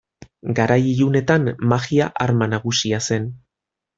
Garai ilunetan, magia arma nagusia zen.